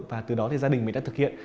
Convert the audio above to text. và từ đó thì gia đình mình đã thực hiện